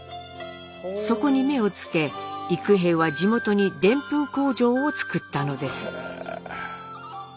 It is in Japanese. そこに目をつけ幾平は地元にでんぷん工場を造ったのです。